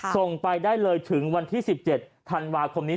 ส่งไปได้เลยถึงวันที่๑๗ธันวาคมนี้